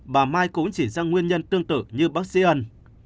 bà mai cũng chỉ ra nguyên nhân tương tự như bác sĩ ân